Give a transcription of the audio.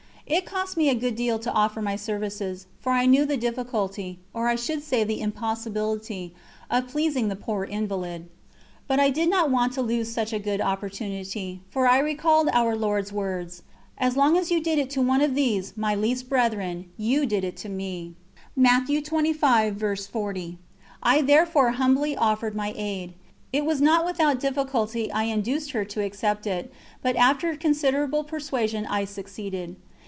It cost me a good deal to offer my services, for I knew the difficulty, or I should say the impossibility, of pleasing the poor invalid. But I did not want to lose such a good opportunity, for I recalled Our Lord's words: "As long as you did it to one of these my least brethren, you did it to Me." I therefore humbly offered my aid. It was not without difficulty I induced her to accept it, but after considerable persuasion I succeeded.